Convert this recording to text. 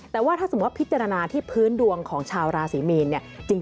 แต่ว่าถ้าสมมุติพิจารณาที่พื้นดวงของชาวราศรีมีนเนี่ย